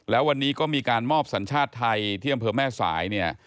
แล้ววันนี้ก็มีการมอบสัญชาติไทยที่อำเภอแม่สายเนี่ย